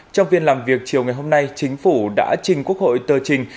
trong phiên làm việc chiều ngày hôm nay chính phủ đã trình quốc hội tờ trình